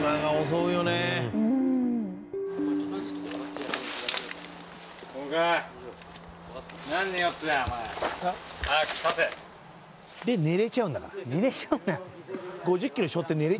うんで寝れちゃうんだから寝れちゃうのよ